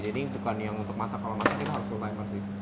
jadi bukan yang untuk masak kalau masak kita harus full timer sih